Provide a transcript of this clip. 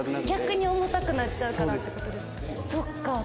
逆に重たくなっちゃうからって事ですか？